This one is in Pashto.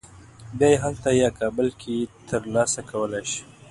بیا یې هلته یا کابل کې تر لاسه کولی شې.